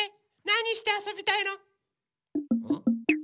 なにしてあそびたいの？